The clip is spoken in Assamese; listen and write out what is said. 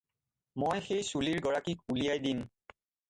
মই সেই চুলিৰ গৰাকীক উলিয়াই দিম।